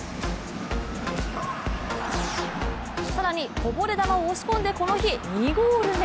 更に、こぼれ球を押し込んでこの日、２ゴール目。